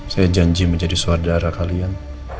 saya janji menjadi saudara kalian